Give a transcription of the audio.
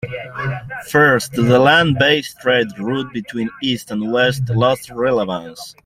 First, the land based trade route between east and west lost relevance.